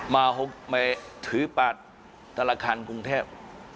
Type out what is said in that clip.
มาถือบัตรตลาดคันกรุงเทพฯ